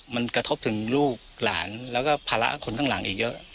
มันกระทบถึงลูกหลานแล้วก็ภาระคนข้างหลังอีกเยอะ